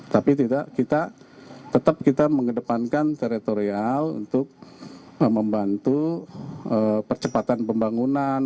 tapi tetap kita mengedepankan teritorial untuk membantu percepatan pembangunan